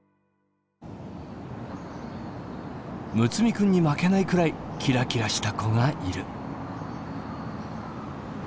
睦弥君に負けないくらいキラキラした子がいる。